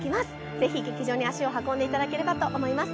ぜひ劇場に足を運んでいただければと思います